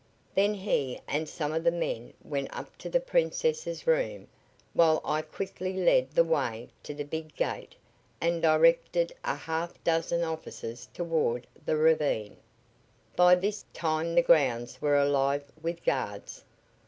Then he and some of the men went up to the Princess' room, while I quickly led the way to the big gate and directed a half dozen officers toward the ravine. By this, time the grounds were alive with guards.